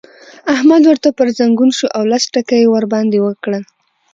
احمد ورته پر ځنګون شو او لس ټکه يې ور باندې وکړل.